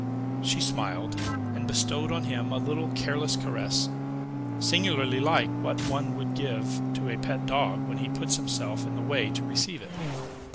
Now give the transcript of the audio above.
She smiled, and bestowed on him a little careless caress, singularly like what one would give to a pet dog when he puts himself in the way to receive it.